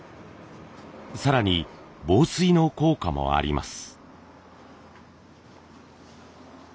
更に防水の効果もあります。